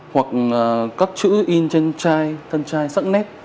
hoặc có chữ in trên chai thân chai sẵn nét